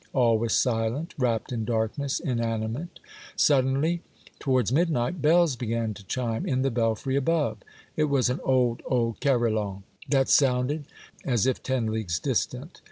All was silent, wrapped in darkness, inanimate. Sud denly, towards midnight, bells began to chime in the belfry above ; it was an old, old carillon, that sounded as if ten leagues distant.